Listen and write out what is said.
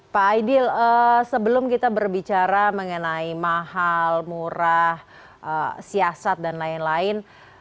pak aidil sebelum kita berbicara mengenai mahal murah siasat dan lain lain